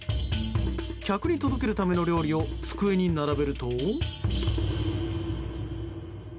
客に届けるための料理を机に並べると。